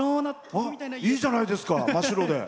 いいじゃないですか、真っ白で。